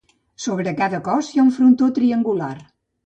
Sobre cada cos hi ha un frontó triangular.